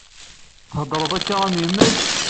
Theddṛeḍ akka am yemma-k.